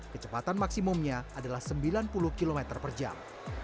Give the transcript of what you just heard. kecepatan maksimumnya adalah sembilan puluh km per jam